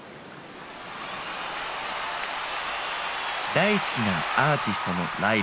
大好きなアーティストのライブ。